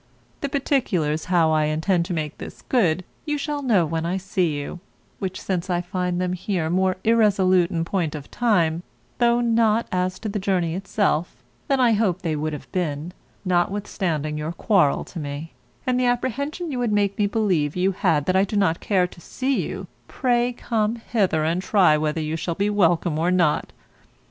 The particulars how I intend to make this good you shall know when I see you; which since I find them here more irresolute in point of time (though not as to the journey itself) than I hoped they would have been, notwithstanding your quarrel to me, and the apprehension you would make me believe you had that I do not care to see you, pray come hither and try whether you shall be welcome or not!